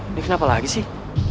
ini kenapa lagi sih